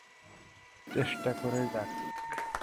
চেষ্টা করে যাক।